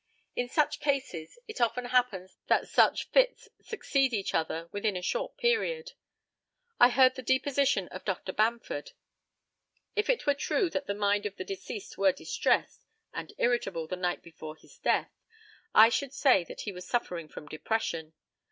In such cases it often happens that such fits succeed each other within a short period. I heard the deposition of Dr. Bamford. If it were true that the mind of the deceased was distressed and irritable the night before his death, I should say that he was suffering from depression.